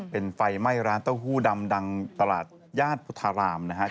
เป็นไฟไหม้ร้านเต้าหู้ดำดังตลาดญาติพุทธารามนะฮะ